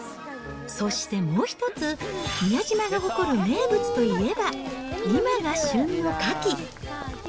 そしてもう一つ、宮島が誇る名物といえば、今が旬のカキ。